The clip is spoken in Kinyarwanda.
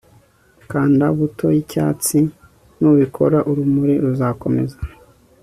Kanda buto yicyatsi Nubikora urumuri ruzakomeza